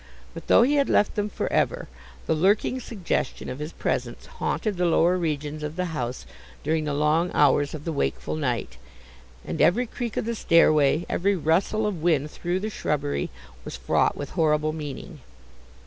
But, though he had left them for ever, the lurking suggestion of his presence haunted the lower regions of the house during the long hours of the wakeful night, and every creak of the stairway, every rustle of wind through the shrubbery, was fraught with horrible meaning.